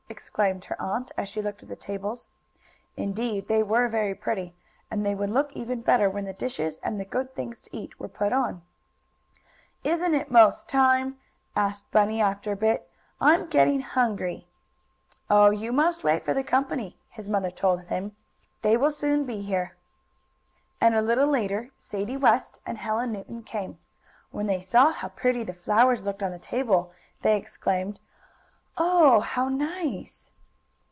exclaimed her aunt, as she looked at the tables. Indeed they were very pretty, and they would look even better when the dishes, and the good things to eat, were put on. "Isn't it 'most time?" asked Bunny, after a bit. "I'm getting hungry." "Oh, you must wait for the company," his mother told him. "They will soon be here." And, a little later, Sadie West and Helen Newton came. When they saw how pretty the flowers looked on the table they exclaimed: "Oh, how nice!"